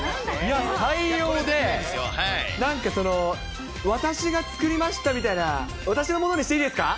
採用で、なんかその、私が作りましたみたいな、私のものにしていいですか？